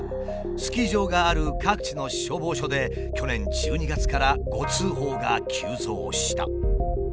スキー場がある各地の消防署で去年１２月から誤通報が急増した。